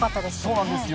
そうなんですよ。